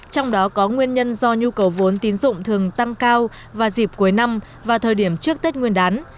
trong đó có nguyên nhân do nhu cầu vốn tín dụng thường tăng cao vào dịp cuối năm và thời điểm trước tết nguyên đán